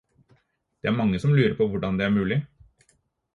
Det er mange som lurer på hvordan det er mulig.